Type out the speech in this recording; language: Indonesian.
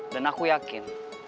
dan aku yakin